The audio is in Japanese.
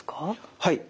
はい。